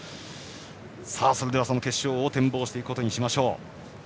では、その決勝を展望していくことにしましょう。